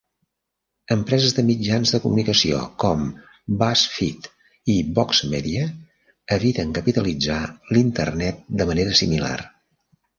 Empreses de mitjans de comunicació com BuzzFeed i Vox Media eviten capitalitzar l'"internet" de manera similar.